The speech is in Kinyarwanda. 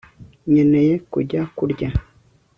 Nkeneye kujya kurya